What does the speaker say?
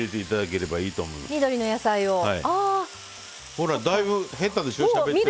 ほらだいぶ減ったでしょしゃべってるうちに。